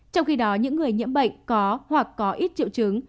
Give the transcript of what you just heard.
trong khi đó những người nhiễm bệnh có hoặc có ít triệu chứng